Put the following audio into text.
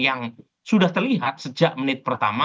yang sudah terlihat sejak menit pertama